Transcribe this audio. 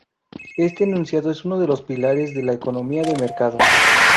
Este enunciado es uno de los pilares de la economía de mercado.